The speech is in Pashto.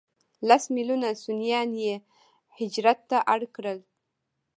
لس ملیونه سنیان یې هجرت ته اړ کړل.